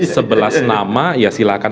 sebelas nama ya silahkan